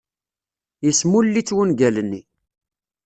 Yesmull-itt wungal-nni.